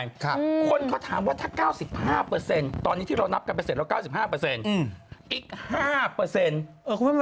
แล้วก็ถามว่าถ้า๙๕ตอนนี้ที่เรานับกันเป็นเสร็จแล้ว๙๕